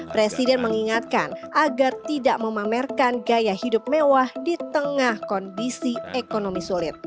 presiden mengingatkan agar tidak memamerkan gaya hidup mewah di tengah kondisi ekonomi sulit